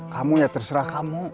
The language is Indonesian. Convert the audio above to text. kamu ya terserah kamu